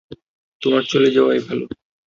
তোমার চলে যাওয়াই ভালো।